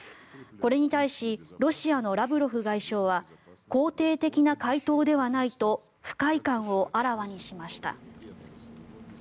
これに対しロシアのラブロフ外相は肯定的な回答ではないと不快感をあらわにしました。